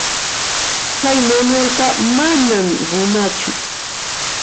Chay Manuelqa manam runachu.